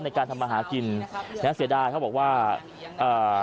ในการทำมาหากินนะเสียดายเขาบอกว่าเอ่อ